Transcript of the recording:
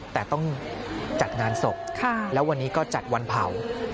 แต่ต้องจัดงานศพแล้ววันนี้ก็จัดวันเผา